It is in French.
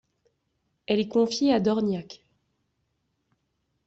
Elle est confiée à Dorniac.